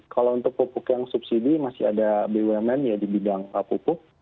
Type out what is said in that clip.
kalau untuk pupuk yang subsidi masih ada bumn ya di bidang pupuk